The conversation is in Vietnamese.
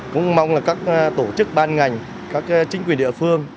cũng mong là các tổ chức ban ngành các chính quyền địa phương